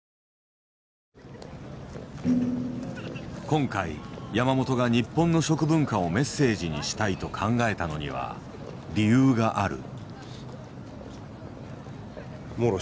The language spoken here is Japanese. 今回山本が日本の食文化をメッセージにしたいと考えたのには理由がある。